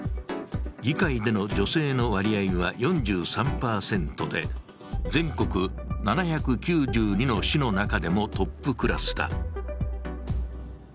議会での女性の割合は４３％で、全国７９２の市の中でもトップクラスだ。